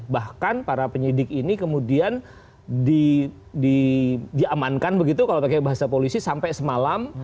bahkan para penyidik ini kemudian diamankan begitu kalau pakai bahasa polisi sampai semalam